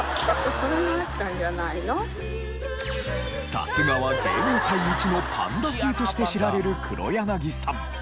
さすがは芸能界一のパンダ通として知られる黒柳さん。